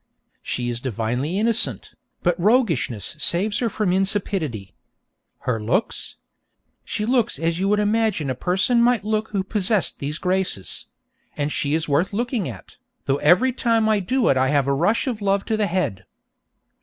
She is divinely innocent, but roguishness saves her from insipidity. Her looks? She looks as you would imagine a person might look who possessed these graces; and she is worth looking at, though every time I do it I have a rush of love to the head.